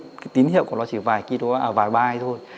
cái tín hiệu của nó chỉ vài byte thôi